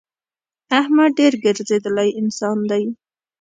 احمد ډېر ګرځېدلی انسان دی.